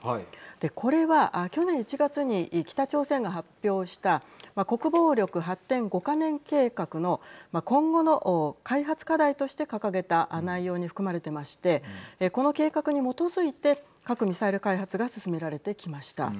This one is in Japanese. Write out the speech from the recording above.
これは去年１月に北朝鮮が発表した国防力発展５か年計画の今後の開発課題として掲げた内容に含まれてましてこの計画に基づいて核・ミサイル開発が進められてきました。